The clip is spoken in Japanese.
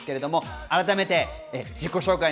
改めて自己紹介